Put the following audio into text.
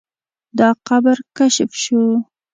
دا قبر کشف شو.